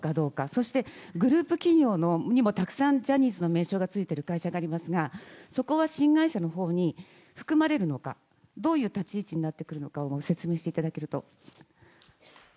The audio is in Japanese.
そしてグループ企業にもたくさんジャニーズの名称がついている会社がありますが、そこは新会社のほうに含まれるのか、どういう立ち位置になってくるのかをご説明していただけると。